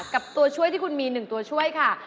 กับตัวช่วยที่คุณมี๑ตัวช่วยค่ะ